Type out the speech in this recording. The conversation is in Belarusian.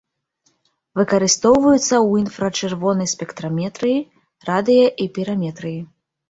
Выкарыстоўваюцца ў інфрачырвонай спектраметрыі, радыё- і піраметрыі.